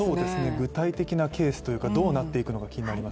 具体的なケースというかどうなっていくのか気になります。